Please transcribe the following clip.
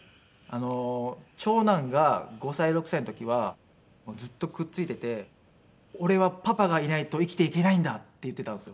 長男が５歳６歳の時はずっとくっ付いていて「俺はパパがいないと生きていけないんだ」って言っていたんですよ。